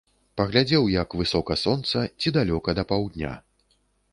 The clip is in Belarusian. Паглядзеў, як высока сонца, ці далёка да паўдня.